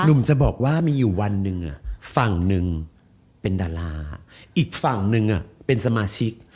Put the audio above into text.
หนุ่มจะบอกว่ามีอยู่วันหนึ่งฝั่งหนึ่งเป็นดาราอีกฝั่งหนึ่งเป็นสมาชิก